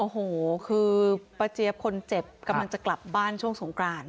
โอ้โหคือป้าเจี๊ยบคนเจ็บกำลังจะกลับบ้านช่วงสงกราน